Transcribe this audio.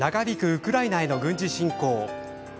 ウクライナへの軍事侵攻。